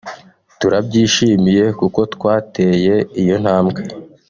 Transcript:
turabyishimiye kuko twateye iyo ntambwe